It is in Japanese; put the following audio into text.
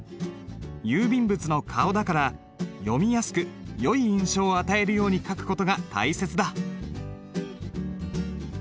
郵便物の顔だから読みやすくよい印象を与えるように書く事が大切だ。